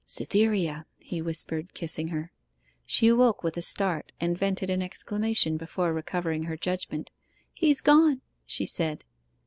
'Cytherea,' he whispered, kissing her. She awoke with a start, and vented an exclamation before recovering her judgment. 'He's gone!' she said.